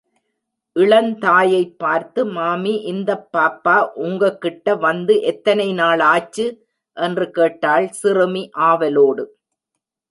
இளந் தாயைப்பார்த்து, மாமி இந்தப்பாப்பா உங்ககிட்ட வந்து எத்தனை நாள் ஆச்சு? என்று கேட்டாள் சிறுமி ஆவலோடு.